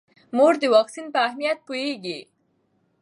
مور د واکسین په اهمیت پوهیږي.